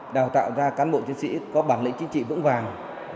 đào tạo ra cán bộ chiến sĩ có bản lĩnh chính trị vững vàng